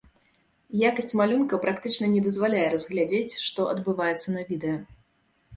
Якасць малюнка практычна не дазваляе разглядзець, што адбываецца на відэа.